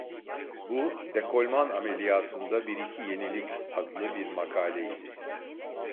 Bu, "Dekolman Ameliyatında Bir İki Yenilik" adlı bir makale idi.